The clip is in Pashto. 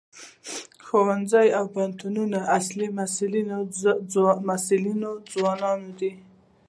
د ښوونځیو او پوهنتونونو اصلي محصلین ځوانان دي.